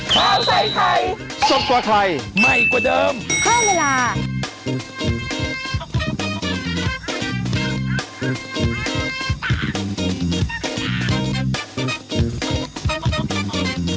แต่งตัวอันนั้น